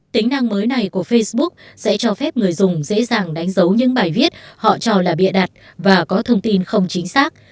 tính năng mới này của facebook sẽ cho phép người dùng dễ dàng đánh dấu những bài viết họ cho là bịa đặt và có thông tin không chính xác